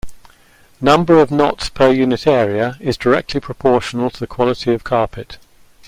Number of knots per unit area is directly proportional to the quality of carpet.